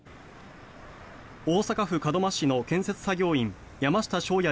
大阪府門真市の建設作業員山下翔也